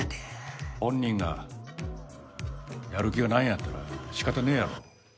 本人がやる気がないんやったら仕方ねえやろ。